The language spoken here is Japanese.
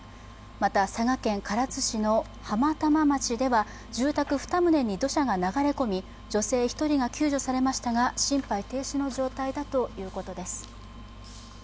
また佐賀県唐津市の浜玉町では、住宅２棟に土砂が流れ込み、女性１人が救助されましたが、心肺停止の状態だということです。